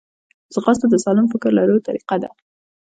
ځغاسته د سالم فکر لرلو طریقه ده